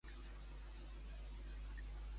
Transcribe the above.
Què creu que hi ha a part de partits independentistes?